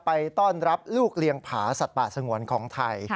ไปต้อนรับลูกเลี้ยงผาสัตว์ป่าสงวนของไทย